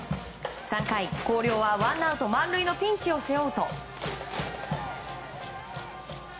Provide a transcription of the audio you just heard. ３回、広陵はワンアウト満塁のピンチを背負うと。